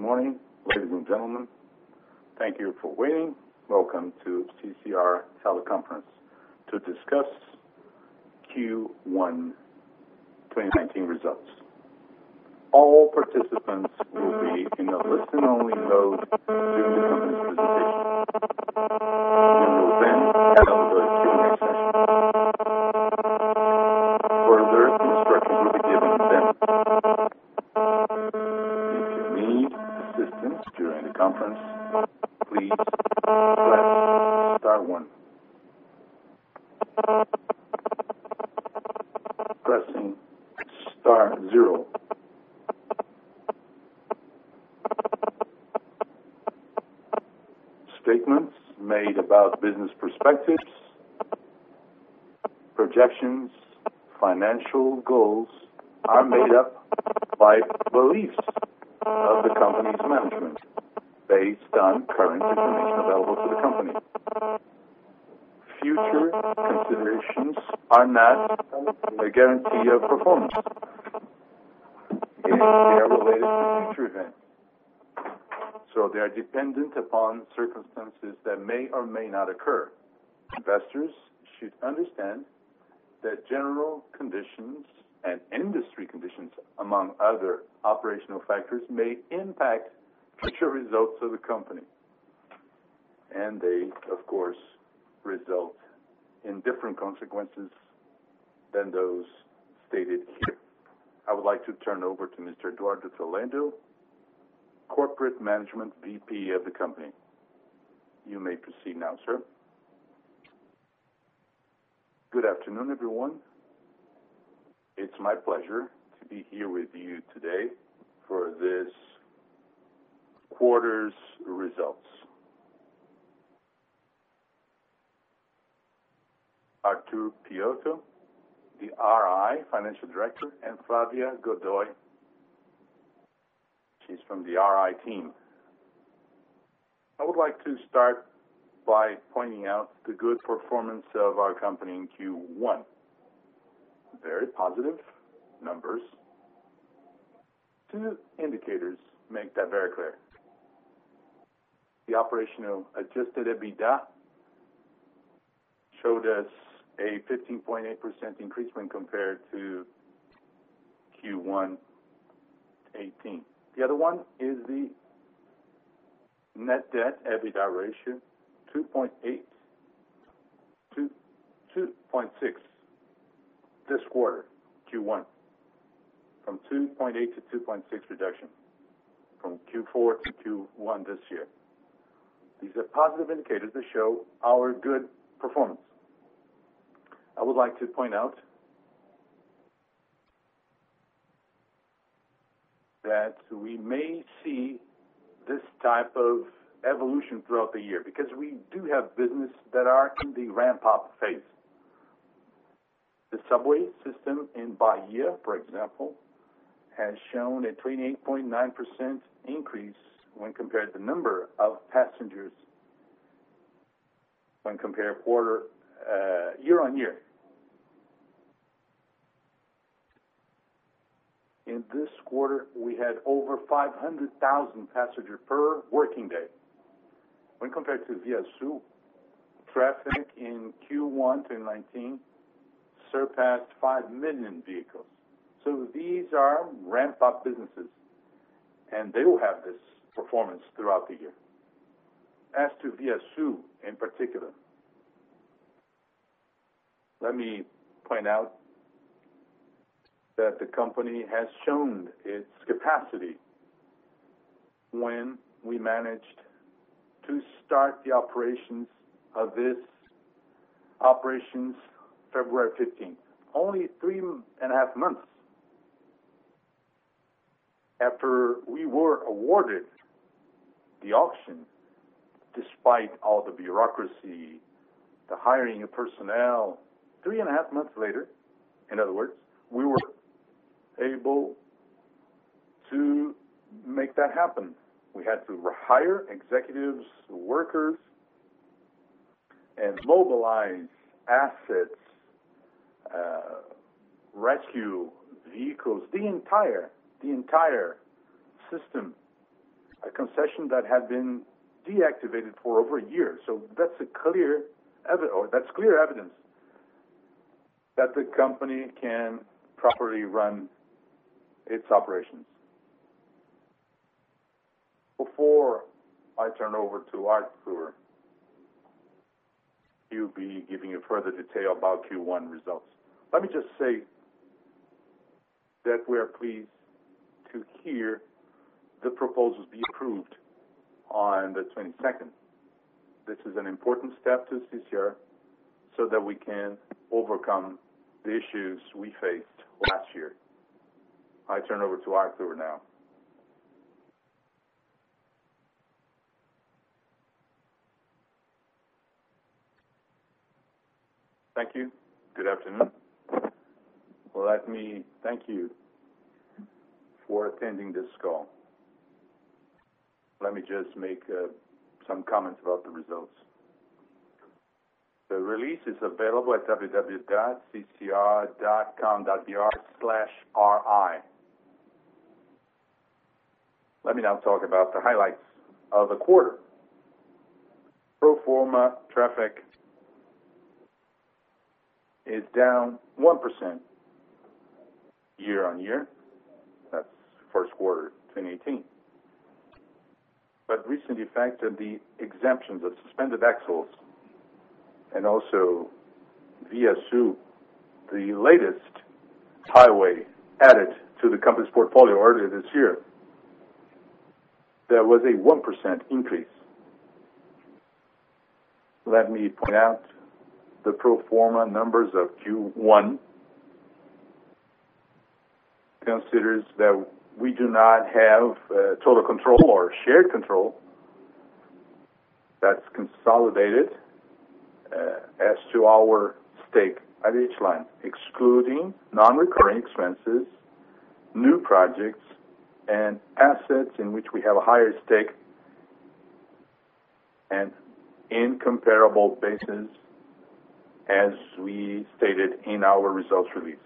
Good morning, ladies and gentlemen. Thank you for waiting. Welcome to CCR Teleconference to discuss Q1 2019 results. All participants will be in a listen-only mode during the company's presentation. We will then have the Q&A session. Further instructions will be given then. If you need assistance during the conference, please press star one. Pressing star zero. Statements made about business perspectives, projections, financial goals are made up by beliefs of the company's management based on current information available to the company. Future considerations are not a guarantee of performance, and they are related to future events. They are dependent upon circumstances that may or may not occur. Investors should understand that general conditions and industry conditions, among other operational factors, may impact future results of the company. They, of course, result in different consequences than those stated here. I would like to turn over to Mr. Eduardo de Toledo, Corporate Management VP of the company. You may proceed now, sir. Good afternoon, everyone. It's my pleasure to be here with you today for this quarter's results. Arthur Piotto Filho, the RI Financial Director, and Flávia Godoy, she's from the RI team. I would like to start by pointing out the good performance of our company in Q1. Very positive numbers. Two indicators make that very clear. The operational adjusted EBITDA showed us a 15.8% increase when compared to Q1 2018. The other one is the net debt/EBITDA ratio, 2.6 this quarter, Q1. From 2.8 to 2.6 reduction from Q4 to Q1 this year. These are positive indicators that show our good performance. I would like to point out that we may see this type of evolution throughout the year because we do have business that are in the ramp-up phase. The subway system in Bahia, for example, has shown a 28.9% increase when compared the number of passengers when compared year-over-year. In this quarter, we had over 500,000 passengers per working day. When compared to ViaSul, traffic in Q1 2019 surpassed 5 million vehicles. These are ramp-up businesses, and they will have this performance throughout the year. As to ViaSul, in particular, let me point out that the company has shown its capacity when we managed to start the operations February 15th. Only three and a half months after we were awarded the auction, despite all the bureaucracy, the hiring of personnel. Three and a half months later, in other words, we were able to make that happen. We had to rehire executives, workers, and mobilize assets, rescue vehicles, the entire system. A concession that had been deactivated for over a year. That's clear evidence that the company can properly run its operations. Before I turn over to Arthur, he'll be giving you further detail about Q1 results. Let me just say that we're pleased to hear the proposals be approved on the 22nd. This is an important step to CCR so that we can overcome the issues we faced last year. I turn over to Arthur now. Thank you. Good afternoon. Let me thank you for attending this call. Let me just make some comments about the results. The release is available at www.ccr.com.br/ri. Let me now talk about the highlights of the quarter. Pro forma traffic is down 1% year-on-year. That is first quarter 2018. Recently factored the exemptions of suspended axles and also Via São, the latest highway added to the company's portfolio earlier this year, there was a 1% increase. Let me point out, the pro forma numbers of Q1 consider that we do not have total control or shared control that is consolidated as to our stake at each line, excluding non-recurring expenses, new projects and assets in which we have a higher stake and in comparable basis as we stated in our results release.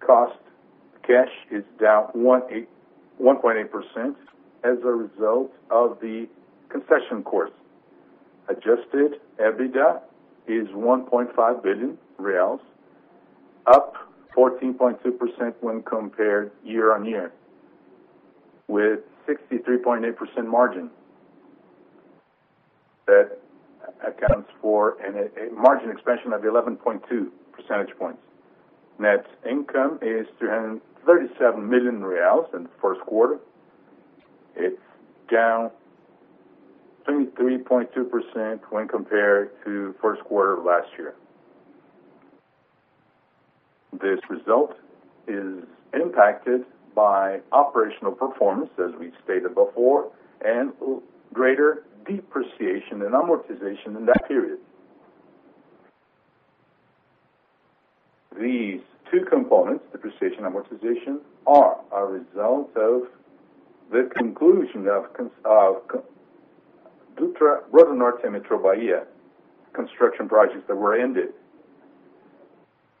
Cash cost is down 1.8% as a result of the concession course. Adjusted EBITDA is 1.5 billion reais, up 14.2% when compared year-on-year with 63.8% margin. That accounts for a margin expansion of 11.2 percentage points. Net income is BRL 337 million in the first quarter. It is down 23.2% when compared to first quarter of last year. This result is impacted by operational performance, as we have stated before, and greater depreciation and amortization in that period. These two components, depreciation, amortization, are a result of the conclusion of Dutra, RodoNorte, and Metrô Bahia construction projects that were ended.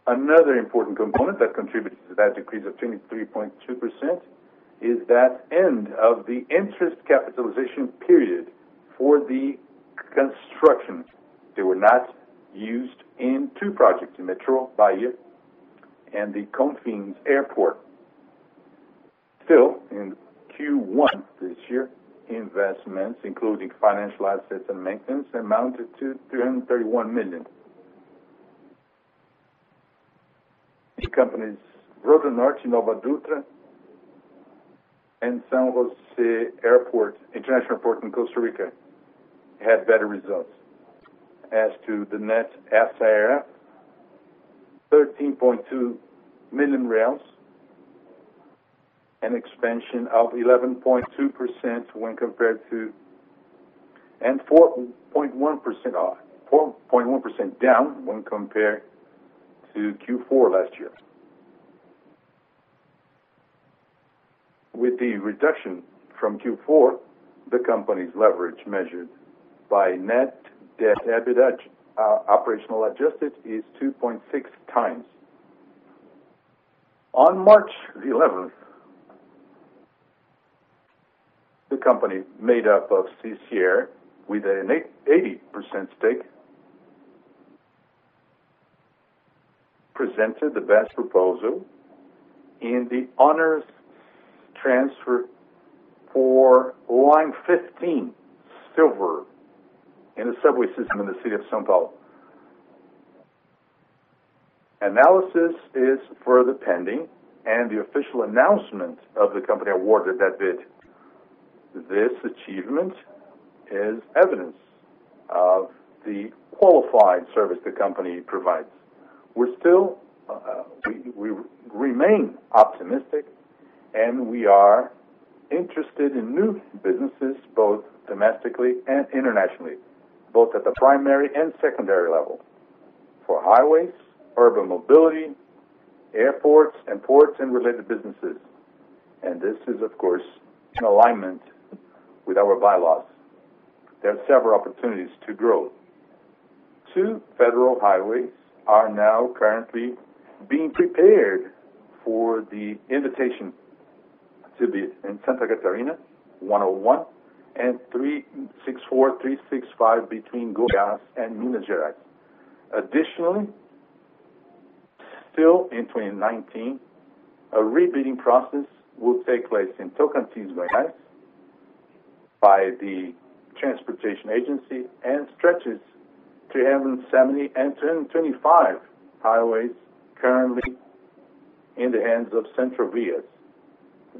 Another important component that contributed to that decrease of 23.2% is that end of the interest capitalization period for the constructions that were not used in two projects, in Metrô Bahia and the Confins Airport. Still, in Q1 this year, investments including financial assets and maintenance, amounted to 331 million. The company's RodoNorte, NovaDutra, and Juan Santamaría International Airport in Costa Rica had better results. As to the net asset, 13.2 million, an expansion of 11.2% when compared to. 4.1% down when compared to Q4 last year. With the reduction from Q4, the company's leverage measured by net debt/EBITDA, operational adjusted, is 2.6 times. On March 11th, the company made up of CCR with an 80% stake, presented the best proposal in the onerous transfer for Line 15-Silver in the subway system in the city of São Paulo. Analysis is further pending and the official announcement of the company awarded that bid. This achievement is evidence of the qualified service the company provides. We remain optimistic and we are interested in new businesses, both domestically and internationally, both at the primary and secondary level, for highways, urban mobility, airports and ports and related businesses. This is, of course, in alignment with our bylaws. There are several opportunities to grow. Two federal highways are now currently being prepared for the invitation to bid in Santa Catarina BR-101, and BR-364/365 between Goiás and Minas Gerais. Additionally, still in 2019, a re-bidding process will take place in Tocantins, Goiás by the transportation agency and stretches SC-370 and BR-325 highways currently in the hands of Centrovias.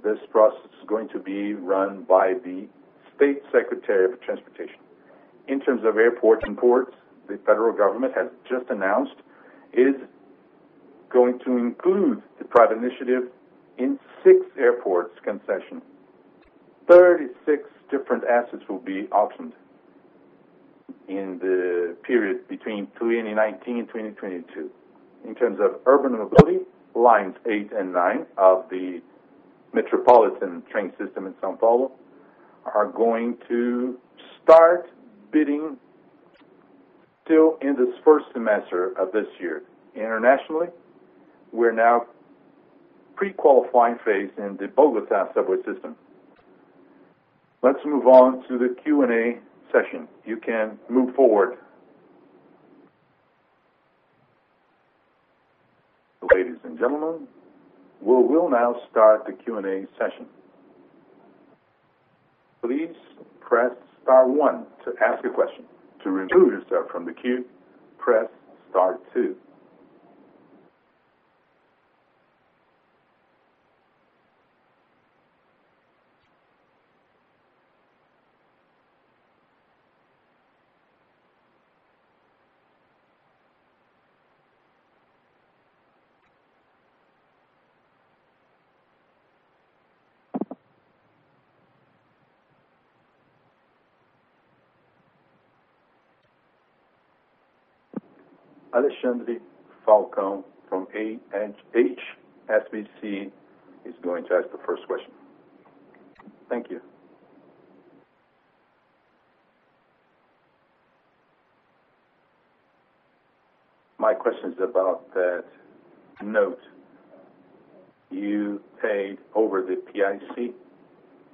This process is going to be run by the State Secretary of Transportation. In terms of airports and ports, the federal government has just announced it is going to include the private initiative in six airports concession. 36 different assets will be auctioned in the period between 2019 and 2022. In terms of urban mobility, lines eight and nine of the metropolitan train system in São Paulo are going to start bidding still in this first semester of this year. Internationally, we are now pre-qualifying phase in the Bogota subway system. Let's move on to the Q&A session. You can move forward. Ladies and gentlemen, we will now start the Q&A session. Please press star one to ask a question. To remove yourself from the queue, press star two. Alexandre Falcão from HSBC is going to ask the first question. Thank you. My question is about that note you paid over the PIC.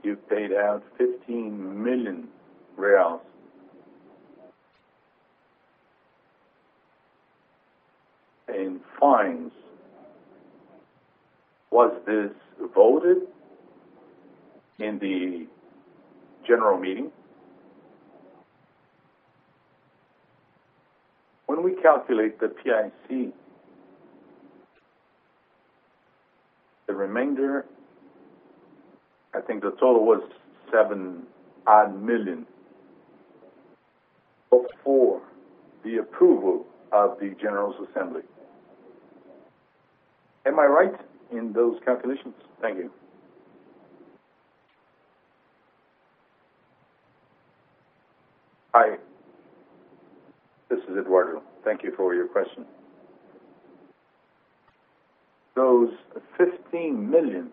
You paid out BRL 15 million in fines. Was this voted in the general meeting? When we calculate the PIC, the remainder, I think the total was seven odd million, vote for the approval of the general assembly. Am I right in those calculations? Thank you. Hi. This is Eduardo. Thank you for your question. Those 15 million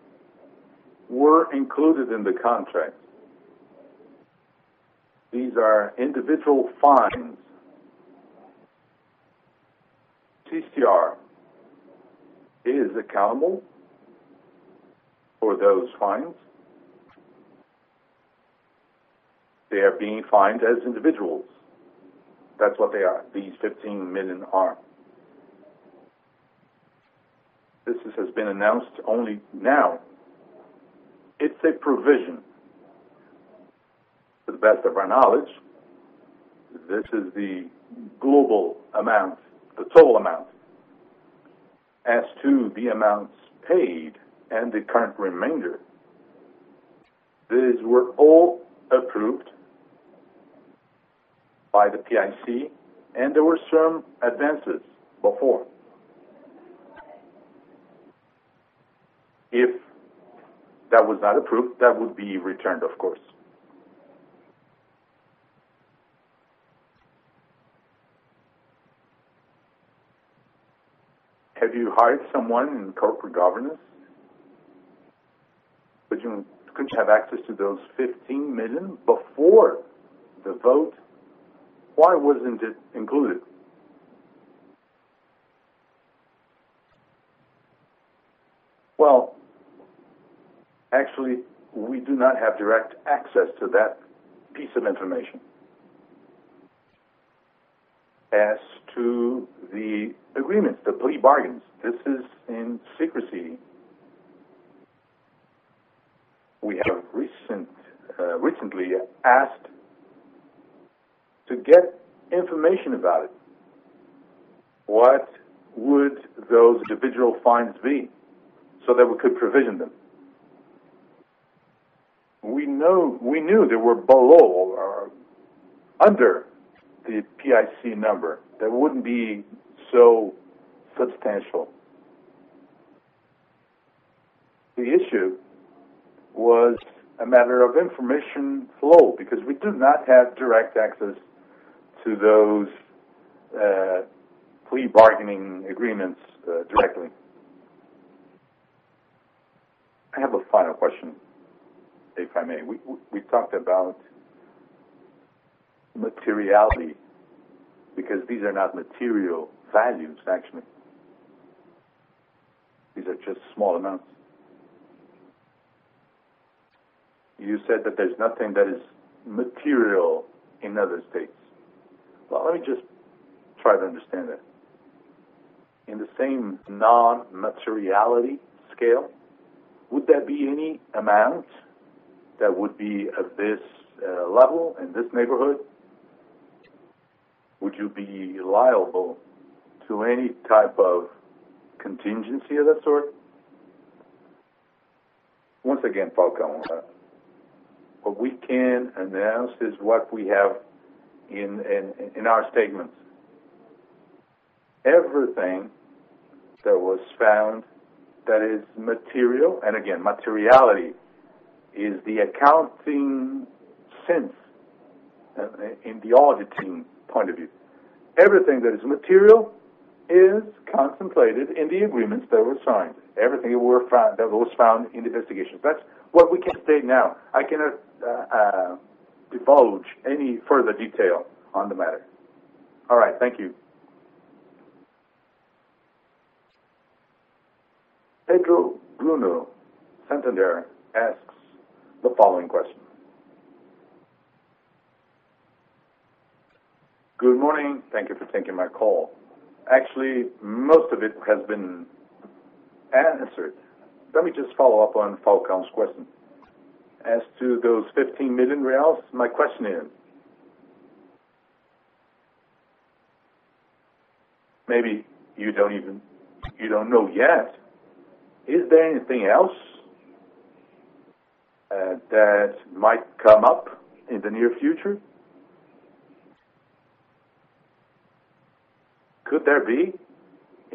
were included in the contract. These are individual fines. CCR is accountable for those fines. They are being fined as individuals. That's what they are. This has been announced only now. It's a provision. To the best of our knowledge, this is the global amount, the total amount. As to the amounts paid and the current remainder, these were all approved by the PIC, and there were some advances before. If that was not approved, that would be returned, of course. Have you hired someone in corporate governance? You couldn't have access to those 15 million before the vote. Why wasn't it included? Well, actually, we do not have direct access to that piece of information. As to the agreements, the plea bargains, this is in secrecy. We have recently asked to get information about it, what would those individual fines be, so that we could provision them. We knew they were below or under the PIC number. They wouldn't be so substantial. The issue was a matter of information flow because we do not have direct access to those plea bargaining agreements directly. I have a final question, if I may. We talked about materiality, because these are not material values, actually. These are just small amounts. You said that there's nothing that is material in other states. Let me just try to understand that. In the same non-materiality scale, would there be any amount that would be at this level, in this neighborhood? Would you be liable to any type of contingency of that sort? Once again, Falcão. What we can announce is what we have in our statements. Everything that was found that is material, and again, materiality is the accounting sense, in the auditing point of view. Everything that is material is contemplated in the agreements that were signed, everything that was found in the investigation. That's what we can say now. All right. Thank you. Pedro Bruno, Santander, asks the following question. Good morning. Thank you for taking my call. Actually, most of it has been answered. Let me just follow up on Falcão's question. As to those 15 million reais, my question is, maybe you don't know yet, is there anything else that might come up in the near future? Could there be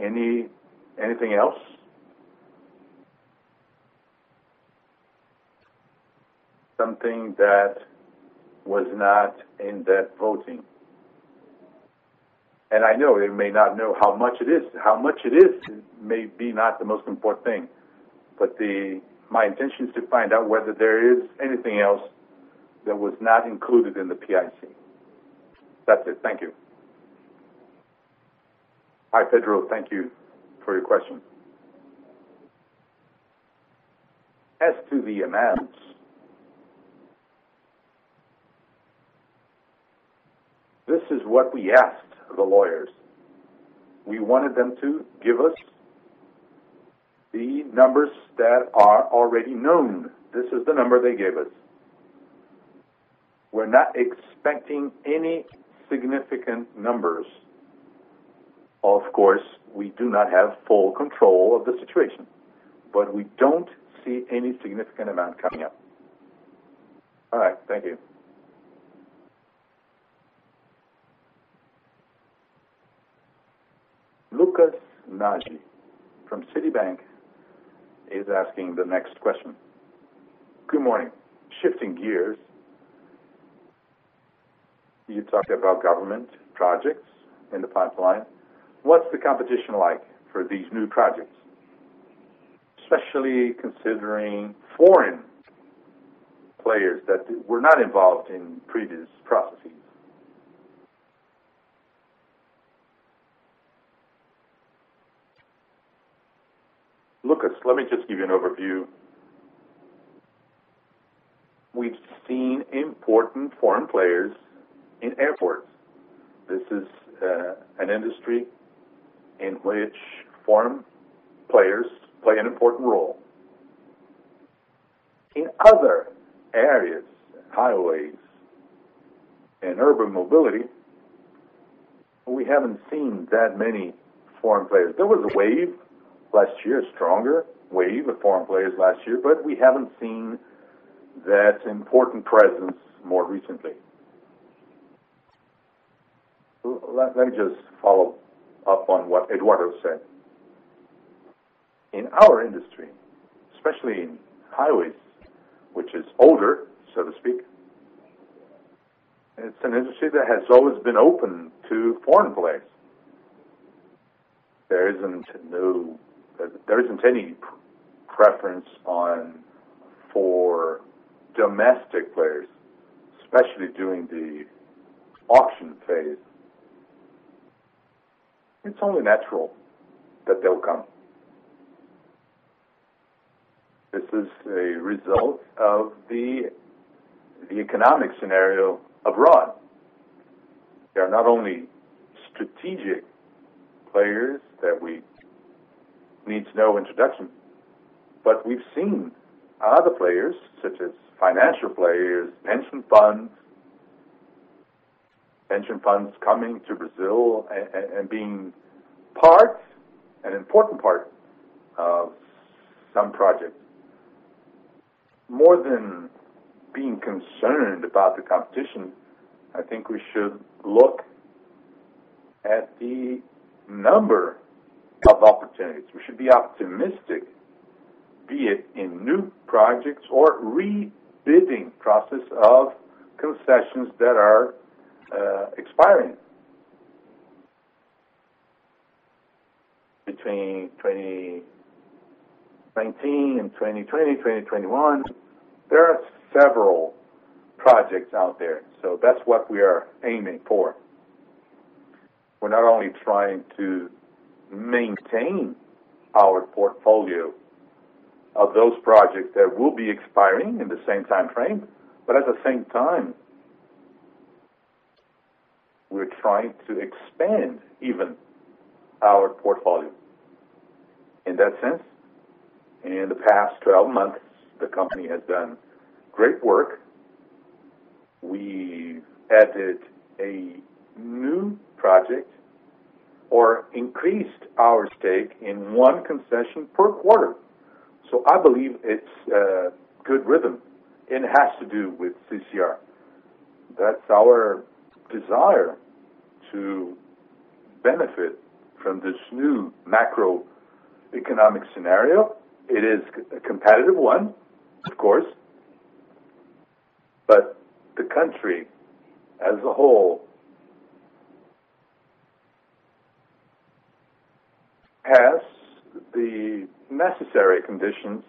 anything else? Something that was not in that voting? I know you may not know how much it is. How much it is may be not the most important thing, but my intention is to find out whether there is anything else that was not included in the PIC. That's it. Thank you. Hi, Pedro. Thank you for your question. As to the amounts, this is what we asked the lawyers. We wanted them to give us the numbers that are already known. This is the number they gave us. We're not expecting any significant numbers. Of course, we do not have full control of the situation, but we don't see any significant amount coming up. All right. Thank you. Lucas Naji from Citibank is asking the next question. Good morning. Shifting gears, you talked about government projects in the pipeline. What's the competition like for these new projects, especially considering foreign players that were not involved in previous processes? Lucas, let me just give you an overview. We've seen important foreign players in airports. This is an industry in which foreign players play an important role. In other areas, highways and urban mobility, we haven't seen that many foreign players. There was a wave last year, a stronger wave of foreign players last year, but we haven't seen that important presence more recently. Let me just follow up on what Eduardo said. In our industry, especially in highways, which is older, so to speak, it's an industry that has always been open to foreign players. There isn't any preference for domestic players, especially during the auction phase. It's only natural that they'll come. This is a result of the economic scenario abroad. There are not only strategic players that we need no introduction, but we've seen other players, such as financial players, pension funds, coming to Brazil and being an important part of some projects. More than being concerned about the competition, I think we should look at the number of opportunities. We should be optimistic, be it in new projects or re-bidding process of concessions that are expiring. Between 2019 and 2020, 2021, there are several projects out there, so that's what we are aiming for. We're not only trying to maintain our portfolio of those projects that will be expiring in the same time frame, but at the same time, we're trying to expand even our portfolio. In that sense, in the past 12 months, the company has done great work. We added a new project or increased our stake in one concession per quarter. So I believe it's a good rhythm, and it has to do with CCR. That's our desire to benefit from this new macroeconomic scenario. It is a competitive one, of course, but the country as a whole has the necessary conditions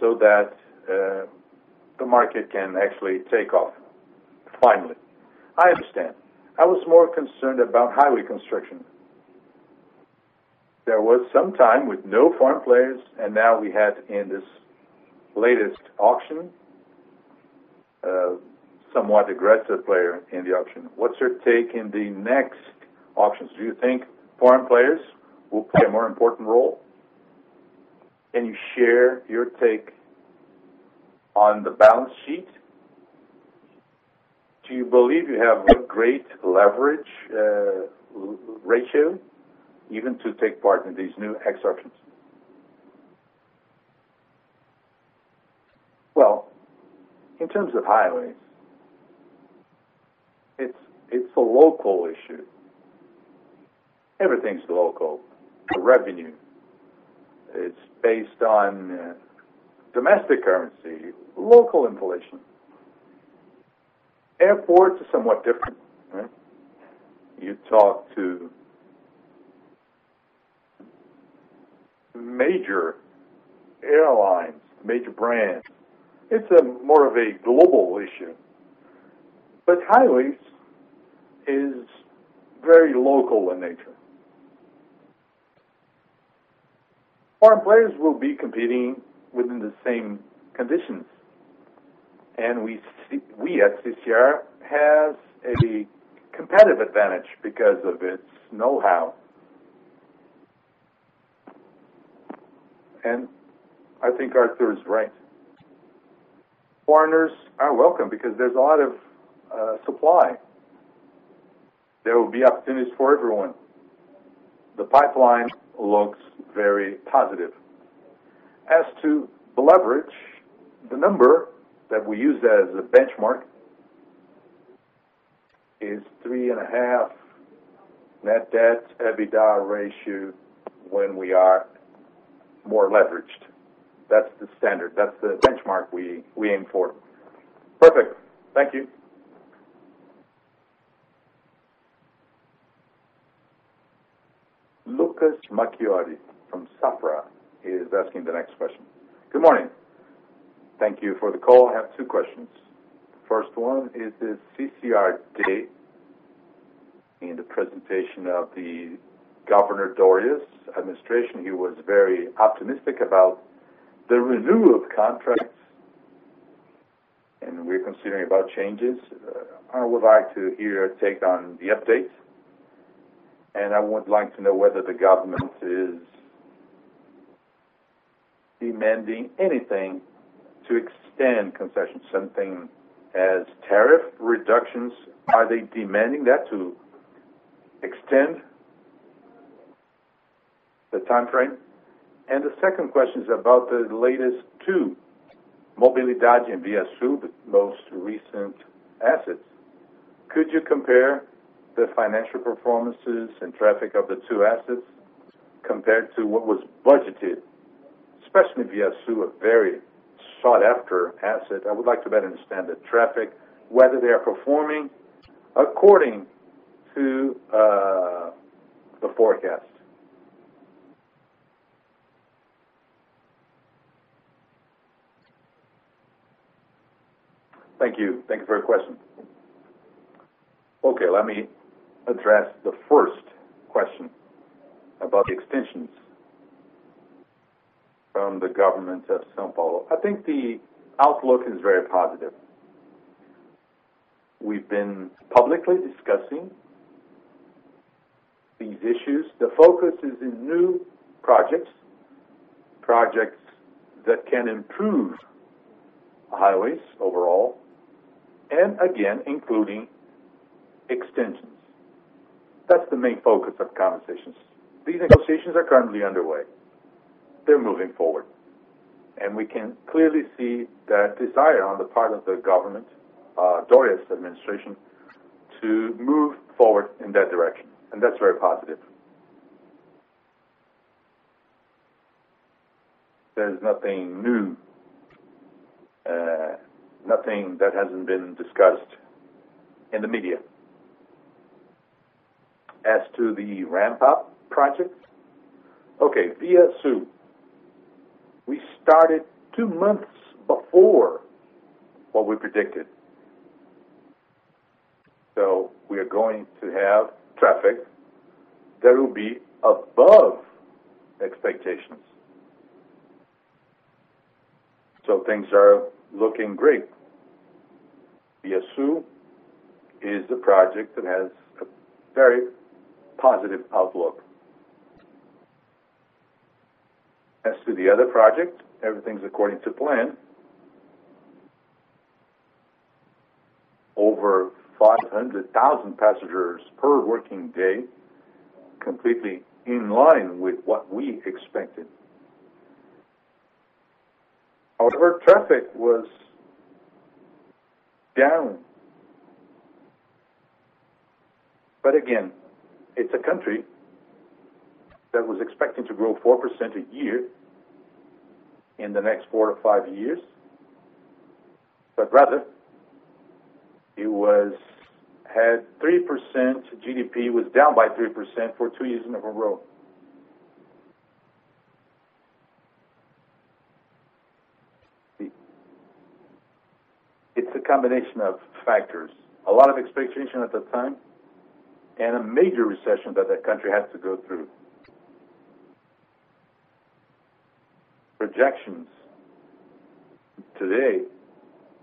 so that the market can actually take off finally. I understand. I was more concerned about highway construction. There was some time with no foreign players, and now we had in this latest auction, a somewhat aggressive player in the auction. What's your take in the next auctions? Do you think foreign players will play a more important role? Can you share your take on the balance sheet? Do you believe you have a great leverage ratio even to take part in these new auctions? Well, in terms of highways, it's a local issue. Everything's local. The revenue is based on domestic currency, local inflation. Airports are somewhat different, right? You talk to major airlines, major brands. It's more of a global issue. But highways is very local in nature. Foreign players will be competing within the same conditions. And we, as CCR, have a competitive advantage because of its know-how. And I think Arthur is right. Foreigners are welcome because there's a lot of supply. There will be opportunities for everyone. The pipeline looks very positive. As to the leverage, the number that we use as a benchmark is 3.5 net debt/EBITDA ratio when we are more leveraged. That's the standard. That's the benchmark we aim for. Perfect. Thank you. Lucas Marquiori from Safra is asking the next question. Good morning. Thank you for the call. I have two questions. First one, is the CCR Day in the presentation of the Governor Doria's administration. He was very optimistic about the renewal of contracts, and we're considering about changes. I would like to hear your take on the updates, and I would like to know whether the government is demanding anything to extend concessions, something as tariff reductions. Are they demanding that to extend the timeframe? The second question is about the latest two Mobilidade and ViaSul, the most recent assets. Could you compare the financial performances and traffic of the two assets compared to what was budgeted, especially ViaSul, a very sought-after asset. I would like to better understand the traffic, whether they are performing according to the forecast. Thank you. Thank you for your question. Okay. Let me address the first question about the extensions from the government of São Paulo. I think the outlook is very positive. We've been publicly discussing these issues. The focus is in new projects that can improve highways overall, and again, including extensions. That's the main focus of conversations. These negotiations are currently underway. They're moving forward. We can clearly see that desire on the part of the government, Doria's administration, to move forward in that direction, and that's very positive. There's nothing new, nothing that hasn't been discussed in the media. As to the ramp-up projects, okay, ViaSul, we started two months before what we predicted. We are going to have traffic that will be above expectations. Things are looking great. ViaSul is a project that has a very positive outlook. As to the other project, everything's according to plan. Over 500,000 passengers per working day, completely in line with what we expected. Outward traffic was down. Again, it's a country that was expecting to grow 4% a year in the next four to five years. Rather, GDP was down by 3% for two years in a row. It's a combination of factors. A lot of expectation at the time, and a major recession that the country had to go through. Projections today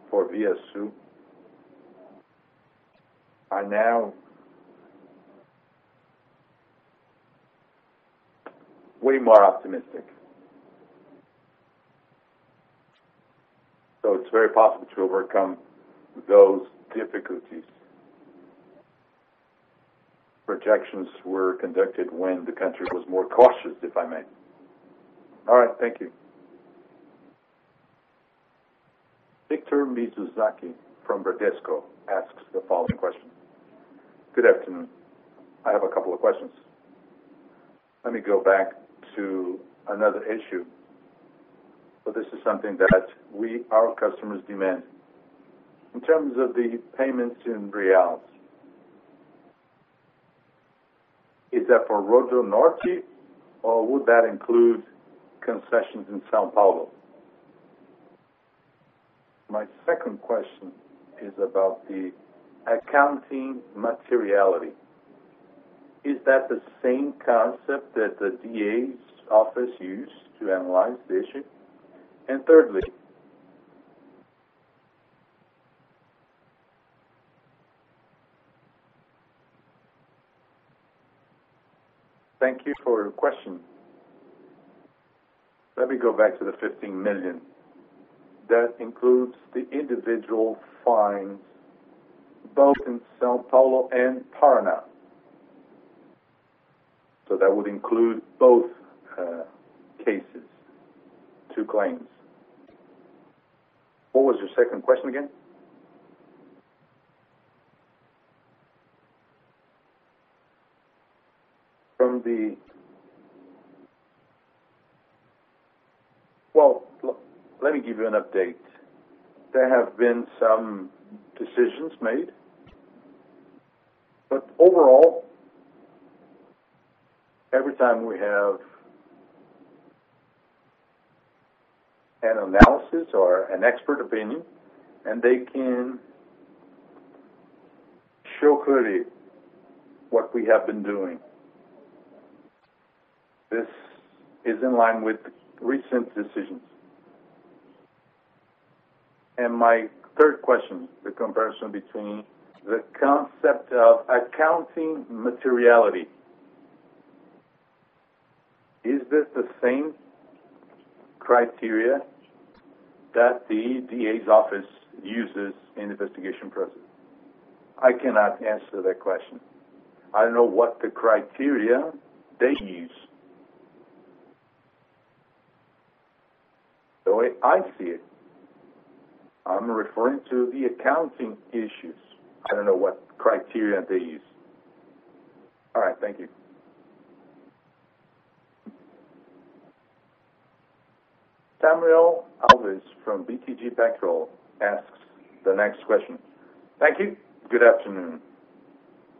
for ViaSul are now way more optimistic. It's very possible to overcome those difficulties. Projections were conducted when the country was more cautious, if I may. All right. Thank you. Victor Mizusaki from Bradesco asks the following question. Good afternoon. I have a couple of questions. Let me go back to another issue, but this is something that our customers demand. In terms of the payments in BRL, is that for RodoNorte, or would that include concessions in São Paulo? My second question is about the accounting materiality. Is that the same concept that the DA's office used to analyze the issue? Thirdly, thank you for your question. Let me go back to the 15 million. That includes the individual fines both in São Paulo and Paraná. That would include both cases, two claims. What was your second question again? From the. Well, let me give you an update. There have been some decisions made. Overall, every time we have an analysis or an expert opinion, and they can show clearly what we have been doing. This is in line with recent decisions. My third question, the comparison between- The concept of accounting materiality. Is this the same criteria that the DA's office uses in the investigation process? I cannot answer that question. I don't know what criteria they use. The way I see it, I'm referring to the accounting issues. I don't know what criteria they use. All right. Thank you. Samuel Alves from BTG Pactual asks the next question. Thank you. Good afternoon.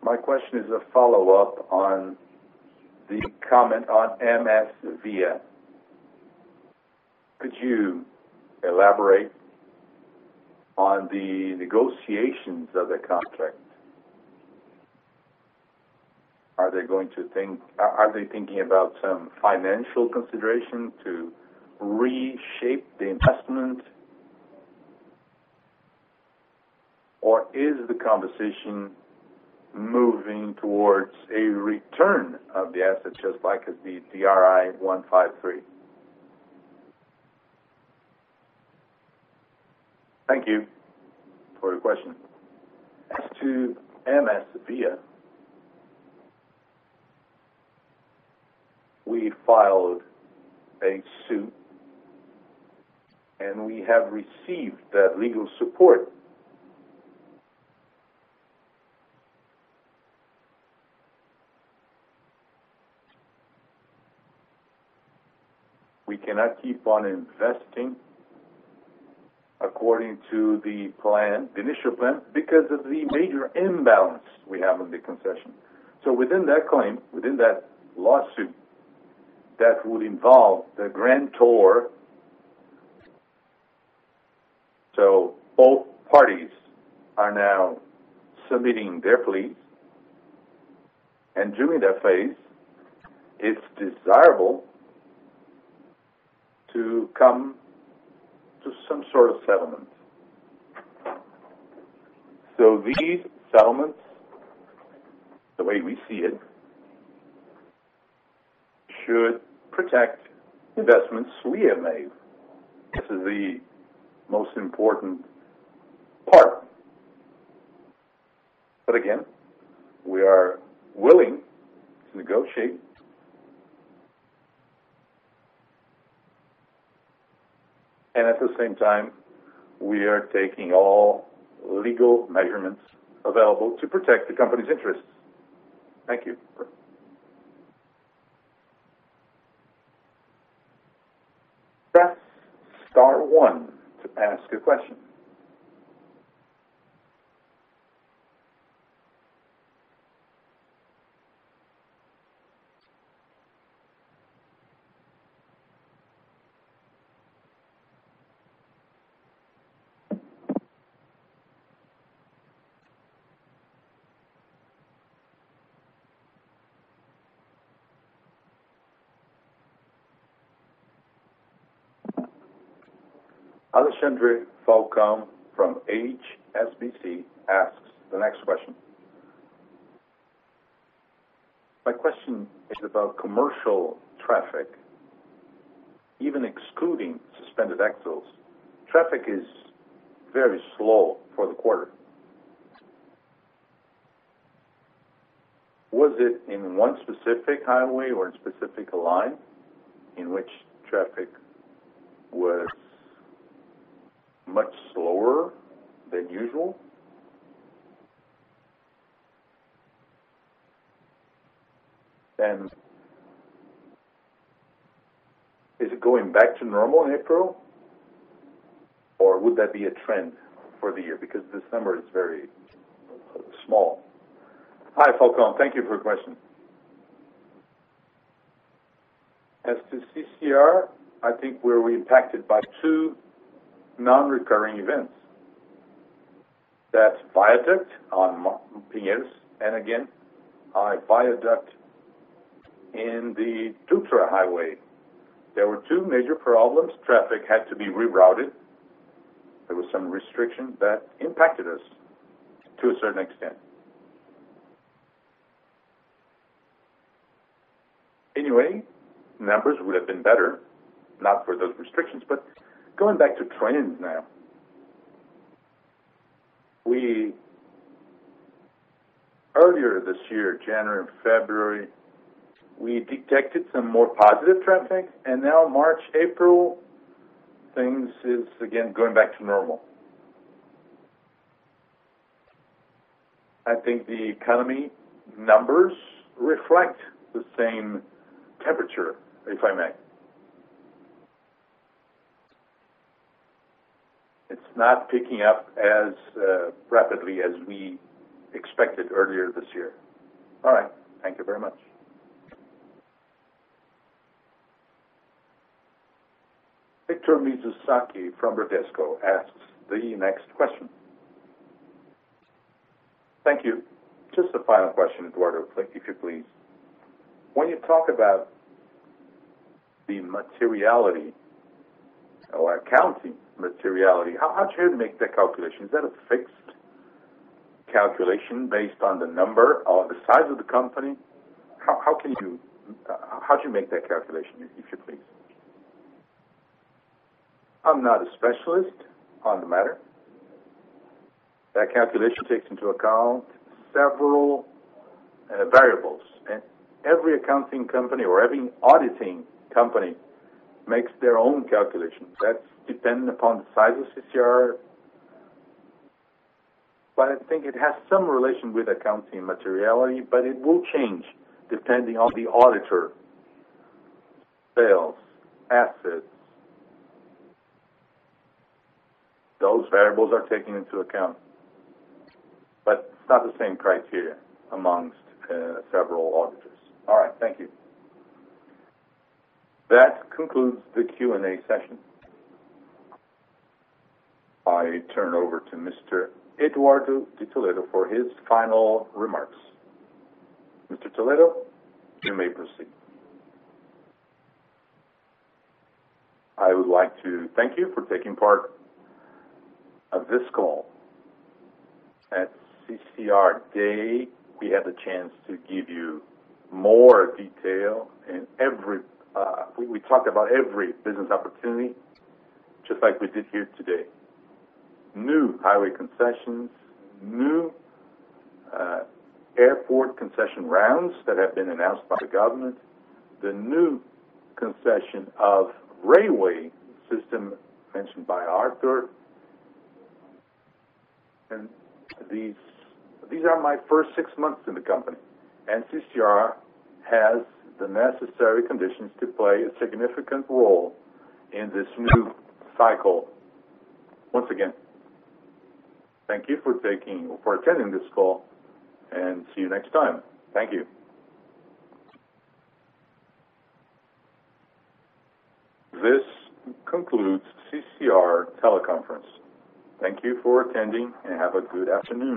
My question is a follow-up on the comment on MSVia. Could you elaborate on the negotiations of the contract? Are they thinking about some financial consideration to reshape the investment? Thank you for your question. MSVia, we filed a suit, and we have received that legal support. We cannot keep on investing according to the initial plan because of the major imbalance we have in the concession. So within that claim, within that lawsuit, that would involve the grantor, so both parties are now submitting their pleas. During that phase, it's desirable to come to some sort of settlement. These settlements, the way we see it, should protect investments we have made. This is the most important part. Again, we are willing to negotiate. At the same time, we are taking all legal measurements available to protect the company's interests. Thank you. Press star one to ask a question. Alexandre Falcão from HSBC asks the next question. My question is about commercial traffic. Even excluding suspended axles, traffic is very slow for the quarter. Was it in one specific highway or a specific line in which traffic was much slower than usual? Is it going back to normal in April, or would that be a trend for the year? Because December is very small. Hi, Falcão. Thank you for your question. CCR, I think we're impacted by two non-recurring events. That's viaduct on Marginal Pinheiros, and again, a viaduct in the Dutra Highway. There were two major problems. Traffic had to be rerouted. There was some restriction that impacted us to a certain extent. Numbers would have been better, not for those restrictions. Going back to trends now. Earlier this year, January and February, we detected some more positive traffic, and now March, April, things is again going back to normal. I think the economy numbers reflect the same temperature, if I may. It's not picking up as rapidly as we expected earlier this year. All right. Thank you very much. Victor Mizusaki from Bradesco asks the next question. Thank you. Just a final question, Eduardo, if you please. When you talk about the materiality or accounting materiality, how do you make that calculation? Is that a fixed calculation based on the number or the size of the company? How do you make that calculation, if you please? I'm not a specialist on the matter. That calculation takes into account several variables, and every accounting company or every auditing company makes their own calculation. That's dependent upon the size of CCR. I think it has some relation with accounting materiality, but it will change depending on the auditor. Sales, assets, those variables are taken into account, but it's not the same criteria amongst several auditors. All right. Thank you. That concludes the Q&A session. I turn over to Mr. Eduardo de Toledo for his final remarks. Mr. Toledo, you may proceed. I would like to thank you for taking part of this call. At CCR Day, we had the chance to give you more detail, and we talked about every business opportunity, just like we did here today. New highway concessions, new airport concession rounds that have been announced by the government, the new concession of railway system mentioned by Arthur. These are my first six months in the company, and CCR has the necessary conditions to play a significant role in this new cycle. Once again, thank you for attending this call, and see you next time. Thank you. This concludes CCR teleconference. Thank you for attending, and have a good afternoon.